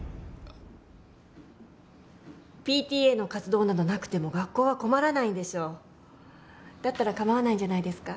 ＰＴＡの活動などなくても学校は困らないんでしょうだったら構わないんじゃないですか？